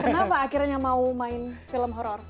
kenapa akhirnya mau main film horror